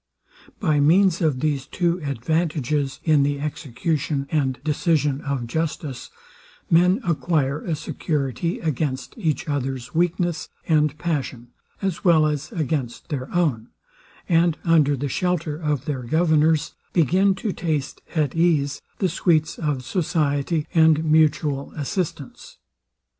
By means of these two advantages, in the execution and decision of justice, men acquire a security against each others weakness and passion, as well as against their own, and under the shelter of their governors, begin to taste at ease the sweets of society and mutual assistance.